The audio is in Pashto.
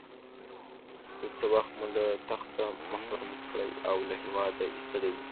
یو څه وخت مو له تخته محروم کړی او له هېواده ایستلی وو.